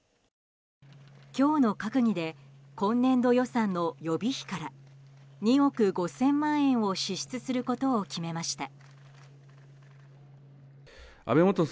今日の閣議で今年度予算の予備費から２億５０００万円を支出することを決めました。